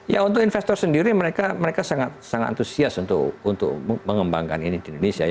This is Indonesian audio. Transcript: ya untuk investor sendiri mereka sangat antusias untuk mengembangkan ini di indonesia